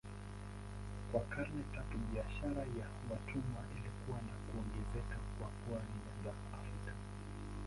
Kwa karne tatu biashara ya watumwa ilikua na kuongezeka kwenye pwani za Afrika.